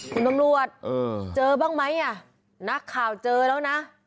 คุณตำรวจเจอบ้างไหมอ่ะนักข่าวเจอแล้วนะ